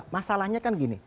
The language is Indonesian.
masalahnya kan gini